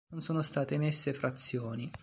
Non sono state emesse frazioni.